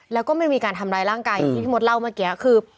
แล้วก็ไม่มีการทำร้ายร่างกายอย่างที่พี่มดเล่าเมื่อกี้คือ